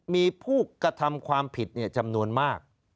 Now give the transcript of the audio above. มีผู้กระทำความผิดจำนวนมาก